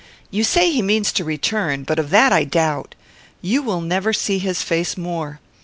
You say he means to return; but of that I doubt. You will never see his face more.